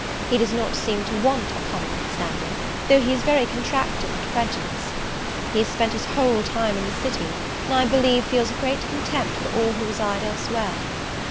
He does not seem to want a common understanding, though he is very contracted and prejudiced: he has spent his whole time in the city, and I believe feels a great contempt for all who reside elsewhere.